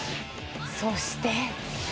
そして。